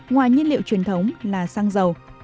ngoài nhiên liệu truyền thống là xăng dầu